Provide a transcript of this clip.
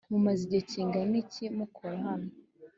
mumaze igihe kingana iki mukora hano?